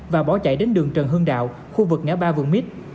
và bỏ chạy đến đường trần hương đạo khu vực ngã ba vườn mít